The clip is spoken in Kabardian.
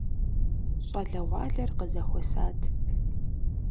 ЩӀалэгъуалэр къызэхуэсат.